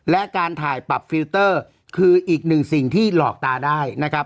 และการถ่ายปรับฟิลเตอร์คืออีกหนึ่งสิ่งที่หลอกตาได้นะครับ